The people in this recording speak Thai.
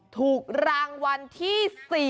ถูกรางวัลที่๔